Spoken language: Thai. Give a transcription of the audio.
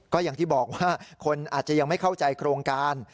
ก็อย่างที่บอกว่าคนอาจจะยังไม่เข้าใจโครงการ